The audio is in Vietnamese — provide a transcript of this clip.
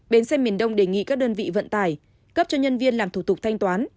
bến xe miền đông đề nghị các đơn vị vận tải cấp cho nhân viên làm thủ tục thanh toán